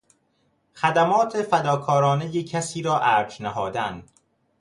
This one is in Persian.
خدمات فداکارانهی کسی را ارج نهادن